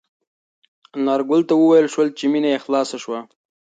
انارګل ته وویل شول چې مېنه یې خلاصه شوه.